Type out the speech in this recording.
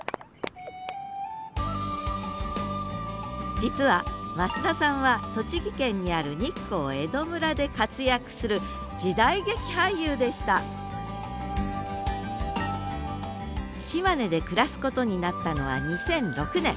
実は増田さんは栃木県にある日光江戸村で活躍する時代劇俳優でした島根で暮らすことになったのは２００６年。